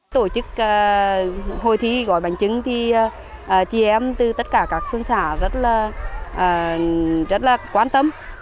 tổ chức hội thi gói bánh trưng thì chị em từ tất cả các phương xã rất là quan tâm